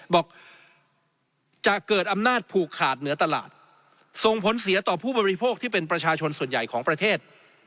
บอกจะเกิดอำนาจผูกขาดเหนือตลาดส่งผลเสียต่อผู้บริโภคที่เป็นประชาชนส่วนใหญ่ของประเทศ